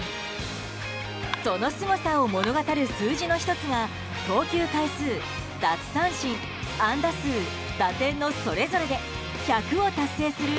そのすごさを物語る数字の１つが投球回数奪三振、安打数、打点のそれぞれで１００を達成する